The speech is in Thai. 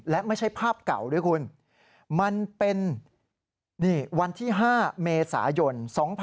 และไม่ใช่ภาพเก่าด้วยคุณมันเป็นวันที่๕เมษายน๒๕๖๒